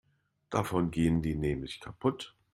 Davon gehen die nämlich kaputt.